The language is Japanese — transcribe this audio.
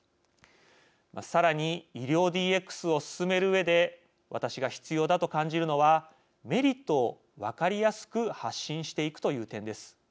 さらに、医療ＤＸを進めるうえで私が必要だと感じるのはメリットをわかりやすく発信していくという点です。